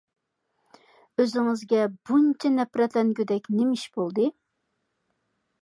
ئۆزىڭىزگە بۇنچە نەپرەتلەنگۈدەك نېمە ئىش بولدى؟